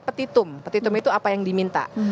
petitum petitum itu apa yang diminta